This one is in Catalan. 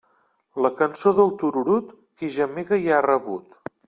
La cançó del tururut, qui gemega ja ha rebut.